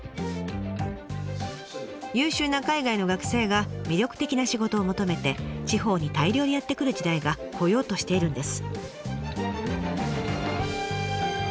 優秀な海外の学生が魅力的な仕事を求めて地方に大量にやって来る時代が来ようとしているんです。